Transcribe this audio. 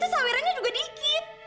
udah gitu sawirannya juga dikit